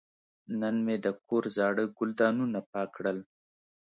نن مې د کور زاړه ګلدانونه پاک کړل.